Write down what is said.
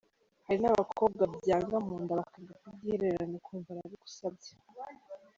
Hari n’abakobwa byanga mu nda bakanga kubyihererana ukumva arabigusabye.